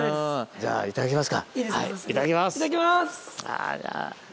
じゃあいただきます。